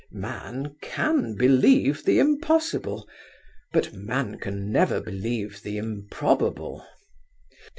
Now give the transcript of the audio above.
Man can believe the impossible, but man can never believe the improbable.